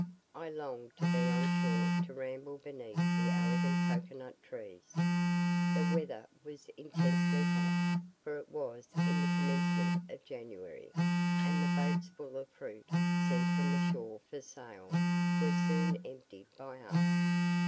I longed to be on shore to ramble beneath the elegant cocoa nut trees. The weather was intensely hot, for it was in the commencement of January; and the boats full of fruit, sent from the shore for sale, were soon emptied by us.